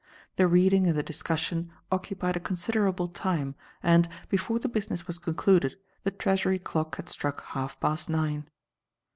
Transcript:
The reading and the discussion occupied a considerable time, and, before the business was concluded, the Treasury clock had struck half past nine.